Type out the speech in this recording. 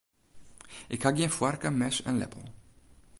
Ik ha gjin foarke, mes en leppel.